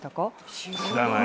知らない。